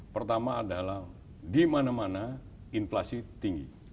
pertama adalah di mana mana inflasi tinggi